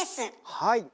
はい！